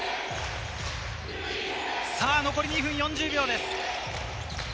残り２分４０秒です。